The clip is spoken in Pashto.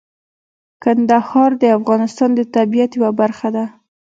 کندهار د افغانستان د طبیعت یوه برخه ده.